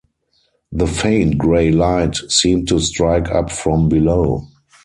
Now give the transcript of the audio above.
The faint grey light seemed to strike up from below.